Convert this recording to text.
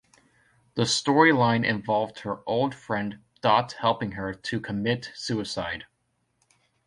The storyline involved her old friend Dot helping her to commit suicide.